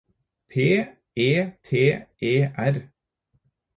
P E T E R